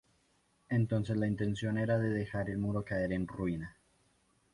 Entonces la intención era de dejar el muro caer en ruina.